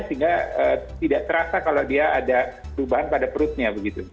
sehingga tidak terasa kalau dia ada perubahan pada perutnya begitu